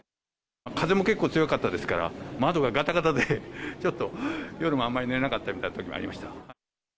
風も結構強かったですから、窓ががたがたで、ちょっと、夜もあんまり寝れなかったみたいなときもありました。